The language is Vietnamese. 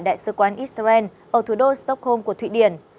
đại sứ quán israel ở thủ đô stockholm của thụy điển